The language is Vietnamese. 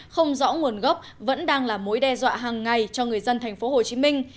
không rõ nguồn gốc vẫn đang là mối đe dọa hàng ngày cho người dân thành phố hồ chí minh